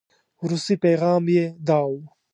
وروستي پيغام یې داو.